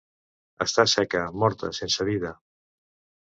Està seca, morta, sense vida.